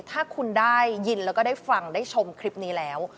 ถ้าคุณได้ยินแล้วก็ได้ฟังได้ชมคลิปนี้แล้ว